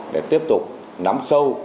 để tiếp tục nắm sâu